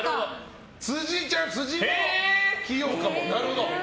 辻ちゃん、辻も器用かも。